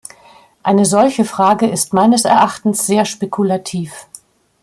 Eine solche Frage ist meines Erachtens sehr spekulativ.